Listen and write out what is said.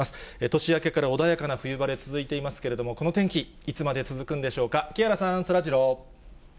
年明けから穏やかな冬晴れ続いていますけれども、この天気、いつまで続くんでしょうか、木原さん、そらジロー。